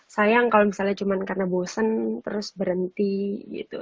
sayang kalau misalnya cuma karena bosen terus berhenti gitu